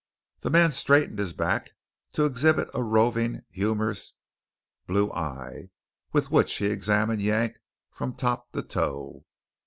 The man straightened his back, to exhibit a roving humorous blue eye, with which he examined Yank from top to toe.